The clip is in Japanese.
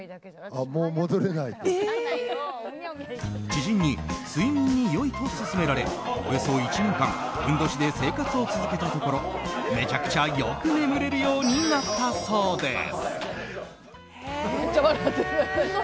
知人に睡眠に良いと勧められおよそ１年間ふんどしで生活を続けたところめちゃくちゃよく眠れるようになったそうです。